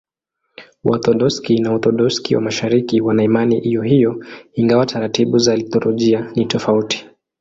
Waorthodoksi na Waorthodoksi wa Mashariki wana imani hiyohiyo, ingawa taratibu za liturujia ni tofauti.